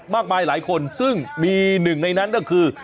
มากมายหลายคนซึ่งมีหนึ่งในนั้นก็คือ